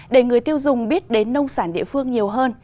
để người tiêu dùng biết đến nông sản địa phương nhiều hơn